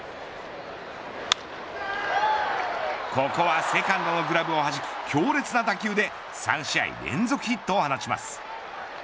ここはセカンドのグラブを弾く強烈な打球で３試合連続ヒットを放ちます。